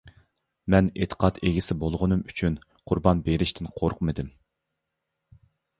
مەن ئېتىقاد ئىگىسى بولغىنىم ئۈچۈن قۇربان بېرىشتىن قورقمىدىم.